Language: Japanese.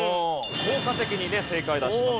効果的にね正解出してます。